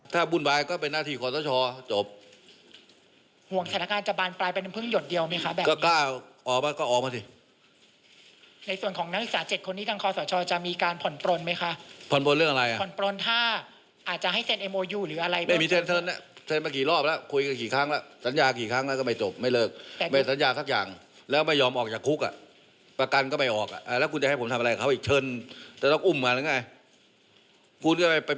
ถ้าบุญบายก็เป็นนาทีขอสชจบ